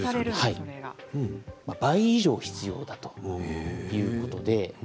倍以上必要だということで。